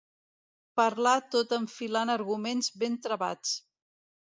Parlar tot enfilant arguments ben travats.